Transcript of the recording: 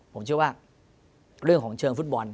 ผมเชื่อว่าเรื่องของเชิงฟุตบอล